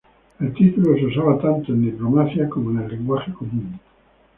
El título se usaba tanto en diplomacia como en el lenguaje común.